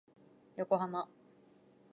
横浜